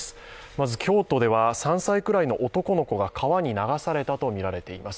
まず京都では３歳くらいの男の子が川に流されたということです。